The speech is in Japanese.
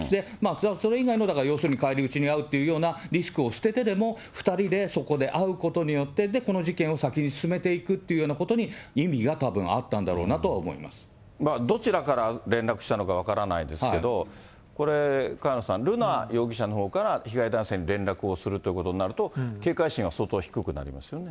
それ以外の要するに返り討ちに遭うというようなリスクを捨ててでも、２人でそこで会うことによって、この事件を先に進めていくというようなことに、意義がたぶん、どちらから連絡したのか分からないんですけど、これ、萱野さん、瑠奈容疑者のほうから被害男性に連絡をするっていうことになると、警戒心は相当低くなります